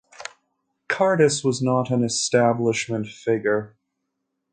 Cardus was not an "establishment" figure.